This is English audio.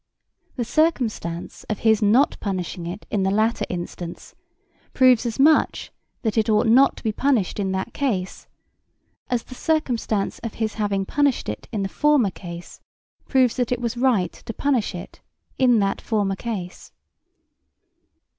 The circumstance of his not punishing it in the latter instance proves as much that it ought not to be punished in that case as the circumstance of his having punished it in the former case proves that it was right to punish it in that former case.